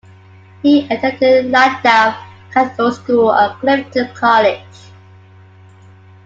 He attended Llandaff Cathedral School and Clifton College.